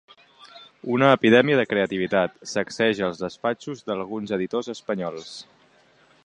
Una epidèmia de creativitat sacseja els despatxos d'alguns editors espanyols.